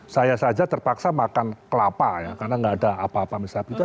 saya saja terpaksa makan kelapa ya karena nggak ada apa apa misalkan